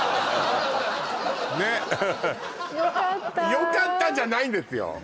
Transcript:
ねっ「よかった」じゃないんですよ